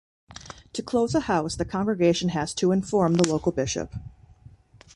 To close a house, the congregation has to inform the local bishop.